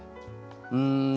うん。